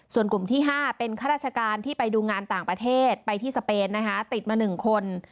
ส่วนกลุ่มที่๕เป็นข้าราชการที่ไปดูงานต่างประเทศไปที่สเปนนะคะติดมา๑คน